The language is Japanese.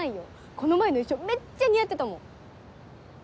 この前の衣装めっちゃ似合ってたもん！